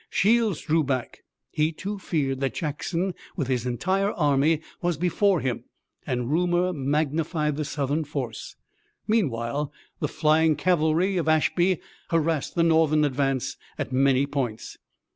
Shields drew back. He, too, feared that Jackson with his entire army was before him and rumor magnified the Southern force. Meanwhile the flying cavalry of Ashby harassed the Northern advance at many points.